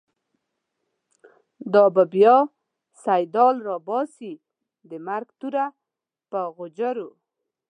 دا به بیا« سیدال» راباسی، د مرگ توره په غوجرو